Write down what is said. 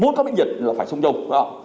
muốn có miễn dịch thì phải sống chung